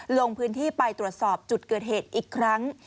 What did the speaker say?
ลงพื้นที่ไปตรวจสอบจุดเกิดเหตุอีกครั้ง